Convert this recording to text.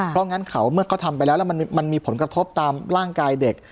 เพราะงั้นเขาเมื่อเขาทำไปแล้วแล้วมันมีผลกระทบตามร่างกายเด็ก